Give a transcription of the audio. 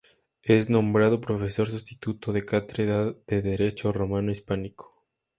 Es nombrado profesor sustituto de cátedra de derecho romano-hispánico.